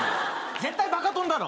絶対バカ殿だろ。